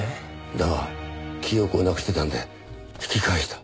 だが記憶をなくしてたんで引き返した。